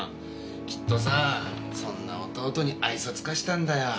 きっとさそんな弟に愛想尽かしたんだよ。